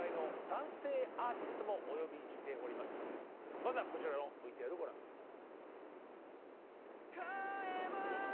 まずはこちらのＶＴＲをご覧下さい。